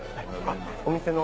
お店の？